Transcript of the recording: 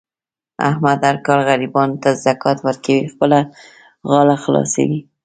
احمد هر کال غریبانو ته زکات ورکوي. خپله غاړه خلاصوي.